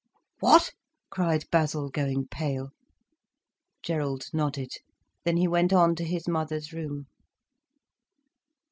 "What?" cried Basil, going pale. Gerald nodded. Then he went on to his mother's room.